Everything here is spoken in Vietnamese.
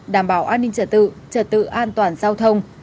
đảm bảo an ninh trật tự trật tự an toàn giao thông